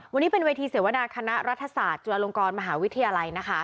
วันนี้เป็นเวทีเสวนาคณะรัฐศาสตร์จุฬาลงกรมหาวิทยาลัยนะคะ